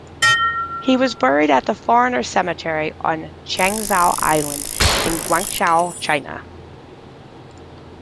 He was buried at the foreigners' cemetery on Changzhou Island, in Guangzhou, China.